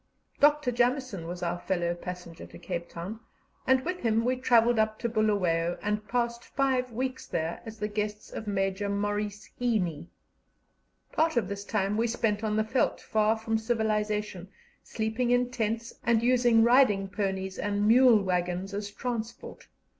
Dr. Jameson was our fellow passenger to Cape Town, and with him we travelled up to Bulawayo, and passed five weeks there as the guests of Major Maurice Heaney. Part of this time we spent on the veldt, far from civilization, sleeping in tents, and using riding ponies and mule waggons as transport.